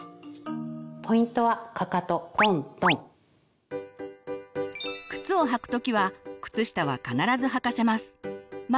ポイントは靴を履く時は靴下は必ずはかせます。